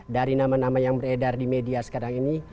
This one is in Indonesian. dari nama nama yang beredar di media sekarang ini